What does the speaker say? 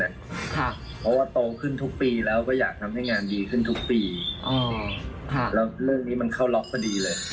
เพราะว่าโตขึ้นทุกปีแล้วก็อยากทำให้งานดีขึ้นทุกปีแล้วเรื่องนี้มันเข้าล็อกพอดีเลย